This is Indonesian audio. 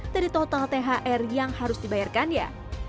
dari total thr yang harus dibayarkan ya